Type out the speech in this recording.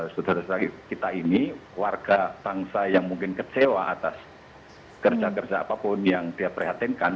saudara saudara kita ini warga bangsa yang mungkin kecewa atas kerja kerja apapun yang dia perhatikan